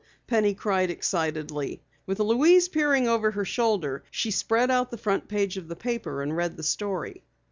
Penny cried excitedly. With Louise peering over her shoulder, she spread out the front page of the paper and read the story.